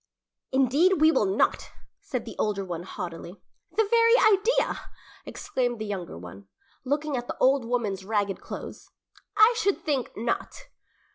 "Indeed, we will not!" said the older one haughtily. "The very idea!" exclaimed the younger one, looking at the old woman's ragged clothes. "I should think not!"